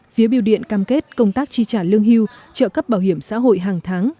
phía biêu điện cam kết công tác chi trả lương hưu trợ cấp bảo hiểm xã hội hàng tháng